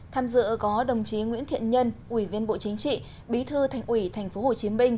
tham dự có đồng chí nguyễn thiện nhân ubnd tp hcm bí thư thành ủy tp hcm